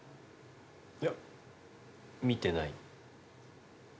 いや見てない。